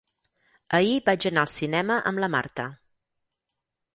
Ahir vaig anar al cinema amb la Marta.